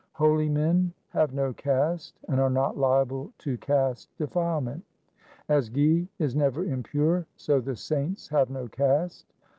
5 Holy men have no caste and are not liable to caste defilement :— As ghi is never impure, so the saints have no caste.